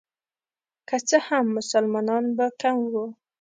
که څه هم مسلمانان به کم وو.